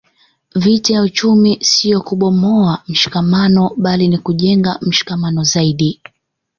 Vita ya uchumi sio kubomoa mshikamano bali ni kujenga mshikamano zaidi